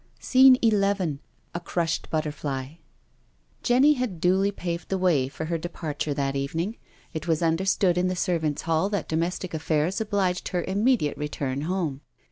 SCENE XI A CRUSHED BUTTERFLY Jenny had duly paved the way for her departure that evening. It was understood in the servants* hall that domestic affairs obliged her immediate return home.